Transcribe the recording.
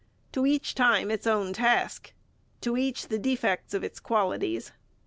To each time its own task, to each the defects of its qualities.